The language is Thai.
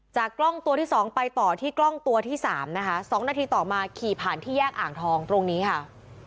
กล้องตัวที่สองไปต่อที่กล้องตัวที่สามนะคะ๒นาทีต่อมาขี่ผ่านที่แยกอ่างทองตรงนี้ค่ะ